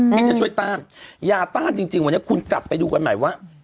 ที่จะช่วยต้านยาต้านจริงวันนี้คุณกลับไปดูกันใหม่ว่า